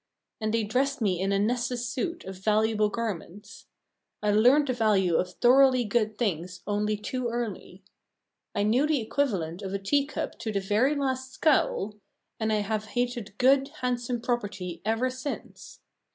And they dressed me in a Nessus suit of valuable garments. I learned the value of thoroughly good things only too early. I knew the equivalent of a teacup to the very last scowl, and I have hated good, handsome property ever since.